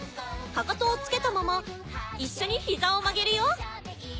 かかとをつけたまま一緒に膝を曲げるよ。